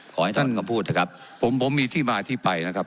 ขอให้ท่านก็พูดเถอะครับผมผมมีที่มาที่ไปนะครับ